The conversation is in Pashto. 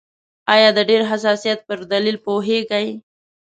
آیا د ډېر حساسیت پر دلیل پوهیږئ؟